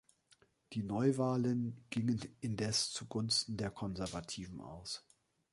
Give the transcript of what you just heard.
Die Neuwahlen gingen indes zu Gunsten der Konservativen aus.